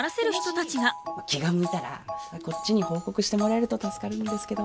気が向いたらこっちに報告してもらえると助かるんですけど。